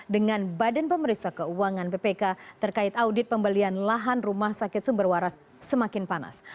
dengan badan pemeriksa keuangan bpk terkait audit pembelian lahan rumah sakit sumber waras semakin panas